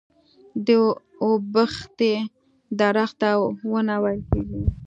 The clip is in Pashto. د اوبښتې درخته ونه ويل کيږي.